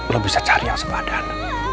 lo bisa cari yang sebadan